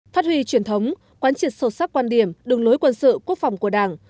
phát huy truyền thống quán triệt sâu sắc quan điểm đường lối quân sự quốc phòng của đảng